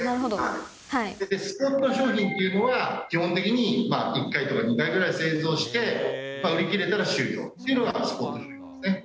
スポット商品っていうのは、基本的に１回とか２回ぐらい製造して、売り切れたら終了っていうのがスポットですね。